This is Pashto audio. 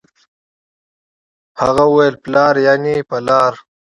هغه وويل پلار يعنې په لار